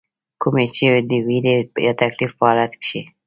کومي چې د ويرې يا تکليف پۀ حالت کښې